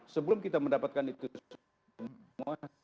sebelum kita mendapatkan itu semua